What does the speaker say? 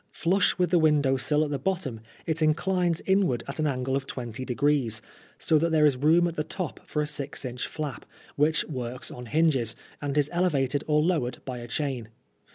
Flush with the window sill at the bottom, it inclines inward at an angle of twenty degrees, so that there is room at the top for a six inch flap, which works on hinges, and is elevated or lowered by a chain.